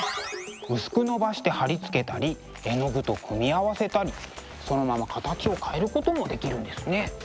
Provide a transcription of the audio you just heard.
薄くのばして貼り付けたり絵の具と組み合わせたりそのまま形を変えることもできるんですね。